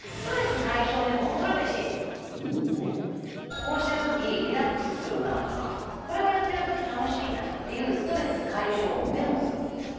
こうしてる時リラックスするなぁとかこれをやってる時楽しいなっていうストレス解消をメモするんです。